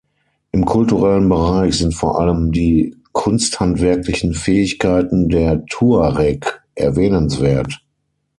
Im kulturellen Bereich sind vor allem die kunsthandwerklichen Fähigkeiten der Tuareg erwähnenswert.